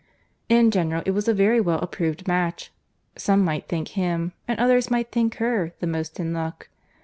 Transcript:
In general, it was a very well approved match. Some might think him, and others might think her, the most in luck.